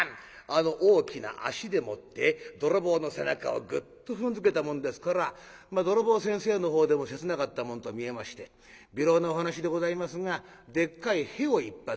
あの大きな足でもって泥棒の背中をグッと踏んづけたもんですから泥棒先生のほうでも切なかったもんと見えましてびろうなお話でございますがでっかい屁を一発。